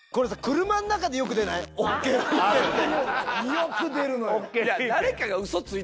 よく出るのよ。